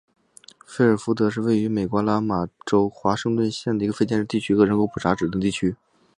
费尔福德是位于美国阿拉巴马州华盛顿县的一个非建制地区和人口普查指定地区。